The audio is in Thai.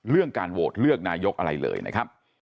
เรื่องการโหวตเลือกนายกอะไรเลยนะครับ